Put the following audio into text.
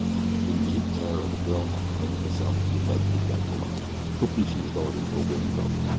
In mute terror the girl now permitted herself to be led to the deck below. Quickly she was lowered into a waiting boat.